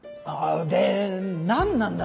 で何なんだ